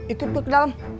ikut gue ke dalam